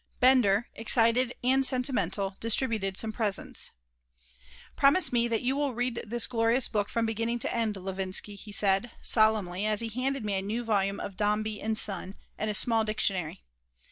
Bender, excited and sentimental, distributed some presents "Promise me that you will read this glorious book from beginning to end, Levinsky," he said, solemnly, as he handed me a new volume of Dombey and Son and a small dictionary.